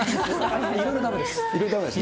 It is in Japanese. いろいろだめです。